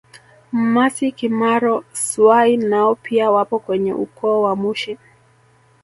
Mmasy Kimaro Swai nao pia wapo kwenye ukoo wa Mushi